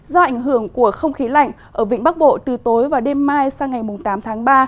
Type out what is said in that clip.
do ảnh hưởng của không khí lạnh ở vịnh bắc bộ từ tối và đêm mai sang ngày tám tháng ba